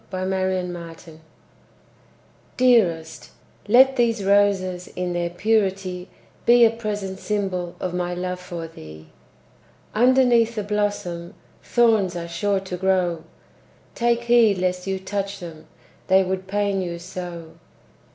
Y Z Valentine Song Dearest, let these roses In their purity, Be a present symbol Of my love for thee. Underneath the blossom Thorns are sure to grow; Take heed lest you touch them, They would pain you so!